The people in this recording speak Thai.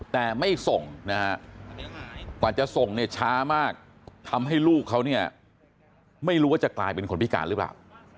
แต่ไม่ส่งนะฮะกว่าจะส่งเนี่ยช้ามากทำให้ลูกเขาเนี่ยไม่รู้ว่าจะกลายเป็นคนพิการหรือเปล่า